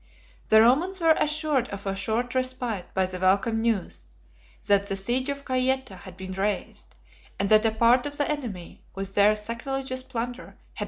The Romans were assured of a short respite by the welcome news, that the siege of Gayeta had been raised, and that a part of the enemy, with their sacrilegious plunder, had perished in the waves.